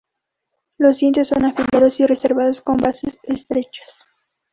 Los dientes son afilados y recurvados con bases estrechas.